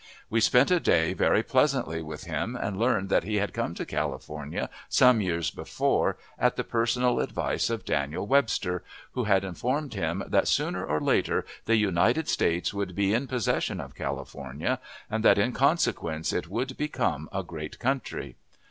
We spent a day very pleasantly with him, and learned that he had come to California some years before, at the personal advice of Daniel Webster, who had informed him that sooner or later the United States would be in possession of California, and that in consequence it would become a great country.